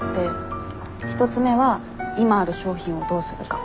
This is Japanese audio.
１つ目は「今ある商品をどうするか」。